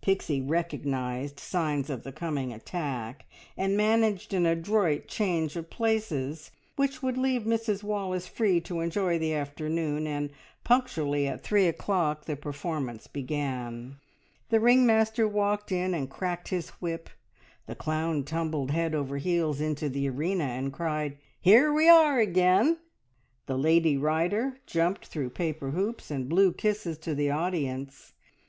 Pixie recognised signs of the coming attack, and managed an adroit change of places which would leave Mrs Wallace free to enjoy the afternoon, and punctually at three o'clock the performance began. The ring master walked in and cracked his whip; the clown tumbled head over heels into the arena, and cried, "Here we are again!" the lady rider jumped through paper hoops, and blew kisses to the audience.